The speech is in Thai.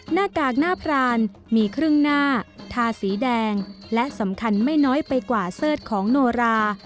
หน้ากากหน้าพรานมีครึ่งหน้าทาสีแดงและสำคัญไม่น้อยไปกว่าเสิร์ธของโนรา